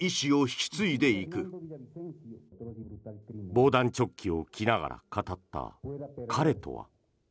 防弾チョッキを着ながら語った彼とは。